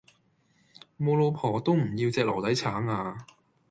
無老婆都唔要隻籮底橙呀